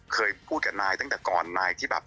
เคยพูดกับนายตั้งแต่ก่อนนายที่แบบ